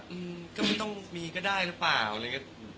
อืมก็ไม่ต้องมีก็ได้หรือเปล่าอะไรอย่างนี้